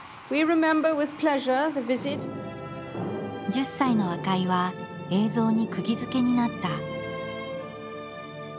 １０歳の赤井は映像にくぎづけになった。